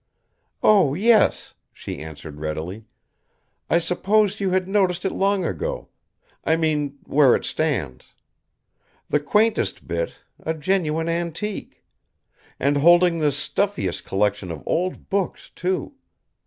"Oh, yes," she answered readily. "I supposed you had noticed it long ago; I mean, where it stands. The quaintest bit, a genuine antique! And holding the stuffiest collection of old books, too!